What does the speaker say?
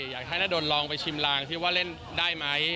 อยากให้นดลลองไปชิมลางซิว่าเล่นได้ไหม